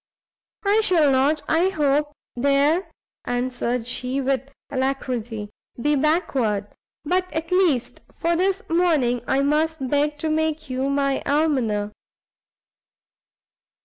"I shall not, I hope, there," answered she, with alacrity, "be backward; but at least for this morning I must beg to make you my Almoner."